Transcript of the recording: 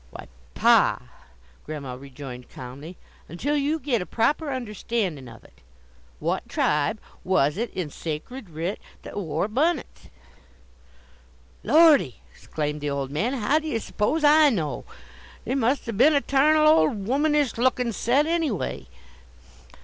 "Why, pa," Grandma rejoined calmly; "until you git a proper understandin' of it. What tribe was it in sacred writ that wore bunnits?" "Lordy!" exclaimed the old man. "How d'ye suppose I know! They must 'a' been a tarnal old womanish lookin' set anyway."